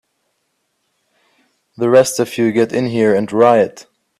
The rest of you get in here and riot!